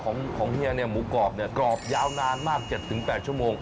ของเฮียเนี่ยหมูกรอบเนี่ยกรอบยาวนานมาก๗๘ชั่วโมง